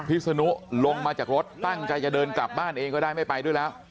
ศนุลงมาจากรถตั้งใจจะเดินกลับบ้านเองก็ได้ไม่ไปด้วยแล้ว